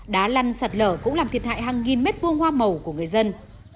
đá lăn sạt lở cũng làm thiệt hại hàng nghìn mét vuông hoa màu của người dân